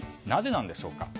なぜなんでしょうか。